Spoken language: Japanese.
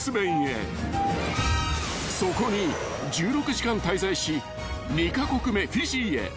［そこに１６時間滞在し２カ国目フィジーへ］